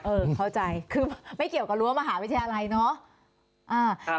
เข้าใจคือไม่เกี่ยวกับรั้วมหาวิทยาลัยเนาะ